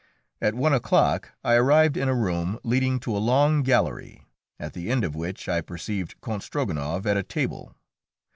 At one o'clock I arrived in a room leading to a long gallery, at the end of which I perceived Count Strogonoff at a table.